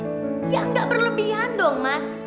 ya nggak berlebihan dong mas